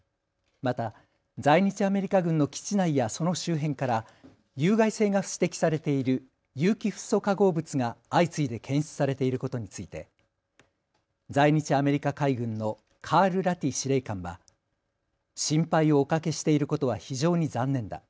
また在日アメリカ軍の基地内やその周辺から有害性が指摘されている有機フッ素化合物が相次いで検出されていることについて在日アメリカ海軍のカール・ラティ司令官は心配をおかけしていることは非常に残念だ。